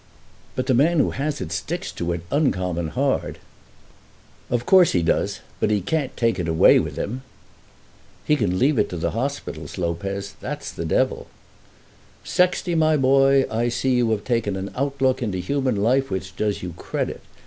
"But the man who has it sticks to it uncommon hard." "Of course he does; but he can't take it away with him." "He can leave it to hospitals, Lopez. That's the devil!" "Sexty, my boy, I see you have taken an outlook into human life which does you credit.